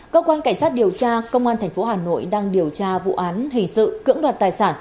cơ quan cảnh sát điều tra công an tp hà nội đang điều tra vụ án hình sự cưỡng đoạt tài sản